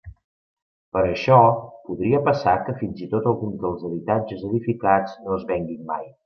Per això, podria passar que fins i tot alguns dels habitatges edificats no es venguen mai.